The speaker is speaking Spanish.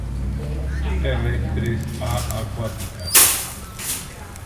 Terrestres a acuáticas.